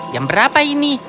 yang berapa ini